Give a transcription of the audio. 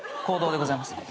公道でございます。